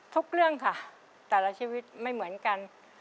ทุกเรื่องค่ะแต่ละชีวิตไม่เหมือนกัน